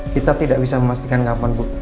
kita tidak bisa memastikan kapan bu